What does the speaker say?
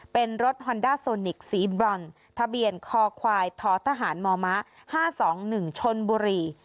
เป็นรถฮอนด่าสนนิกส์สีบรอนด์ทะเบียนคอควายทถหารหมอม้าห้าสองหนึ่งชนบุรี